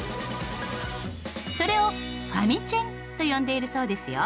それを「ファミチェン」と呼んでいるそうですよ。